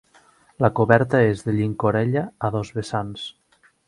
La coberta és de llicorella a dos vessants.